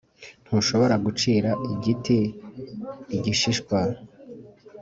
ntushobora gucira igiti igishishwa.